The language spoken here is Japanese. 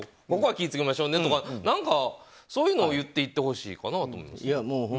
ここは気を付けましょうねとか何かそういうのを言っていってほしいかなと思う。